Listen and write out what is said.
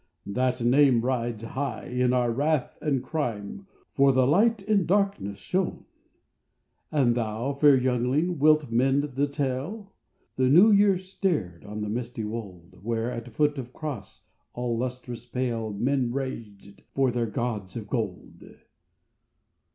" That name rides high on our wrath and crime, For the Light in darkness shone. " And thou, fair youngling, wilt mend the tale? " The New Year stared on the misty wold, Where at foot of a cross all lustrous pale Men raged for their gods of gold.